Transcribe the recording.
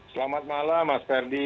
selamat malam mas ferdi